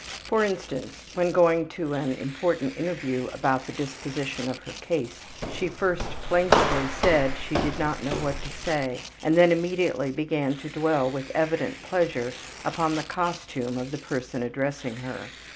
For instance, when going to an important interview about the disposition of her case, she first plaintively said she did not know what to say, and then immediately began to dwell with evident pleasure upon the costume of the person addressing her.